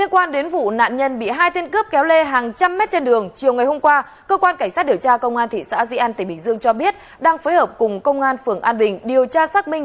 các bạn hãy đăng kí cho kênh lalaschool để không bỏ lỡ những video hấp dẫn